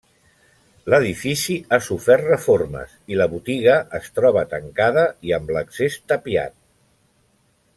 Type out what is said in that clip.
L'edifici ha sofert reformes i la botiga es troba tancada i amb l'accés tapiat.